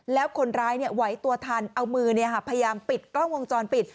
แล้วคนร้ายไหวตัวทันเอามือพยายามปิดกล้องวงจรปิด